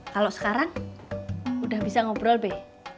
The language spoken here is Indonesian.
kalau sekarang udah bisa ngobrol deh